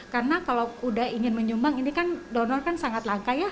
karena kalau sudah ingin menyumbang ini kan donor kan sangat langka ya